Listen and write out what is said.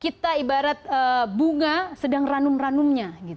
kita ibarat bunga sedang ranum ranumnya